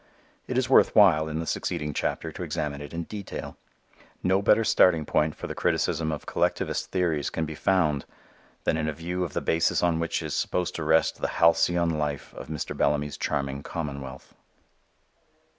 It is worth while, in the succeeding chapter to examine it in detail. No better starting point for the criticism of collectivist theories can be found than in a view of the basis on which is supposed to rest the halcyon life of Mr. Bellamy's charming commonwealth.